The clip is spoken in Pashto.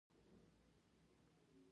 خو د نړۍ په وېشلو ستونزې حل نه شوې